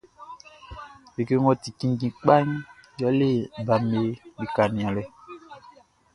Like ngʼɔ ti kinndjin kpaʼn yɛle baʼm be lika nianlɛʼn.